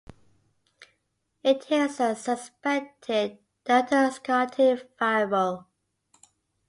It is a suspected Delta Scuti variable.